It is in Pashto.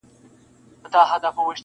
اوس نو وکئ قضاوت ګنا دچا ده,